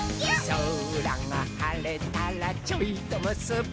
「そらがはれたらちょいとむすび」